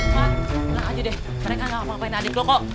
cuman pulang aja deh mereka gak ngapain ngapain adik lo kok